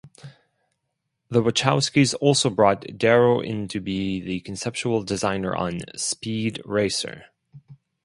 The Wachowskis also brought Darrow in to be the conceptual designer on "Speed Racer".